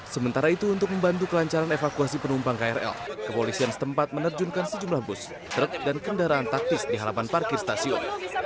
sementara itu untuk membantu kelancaran evakuasi penumpang krl kepolisian setempat menerjunkan sejumlah bus truk dan kendaraan taktis di halaman parkir stasiun